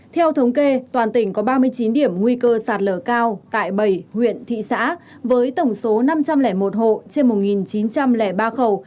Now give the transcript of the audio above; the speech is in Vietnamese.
theo thống kê toàn tỉnh có ba mươi chín điểm nguy cơ sạt lở cao tại bảy huyện thị xã với tổng số năm trăm linh một hộ trên một chín trăm linh ba khẩu